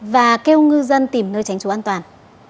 và kêu ngư dân tìm nơi tránh trú an toàn